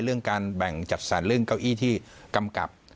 เรื่องการแบ่งจัดสรรเรื่องเก้าอี้ที่กำกับ